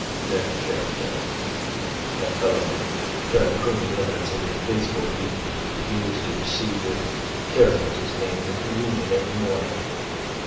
Their character. That fellow that turned queen's evidence on the invincibles he used to receive the, Carey was his name, the communion every morning.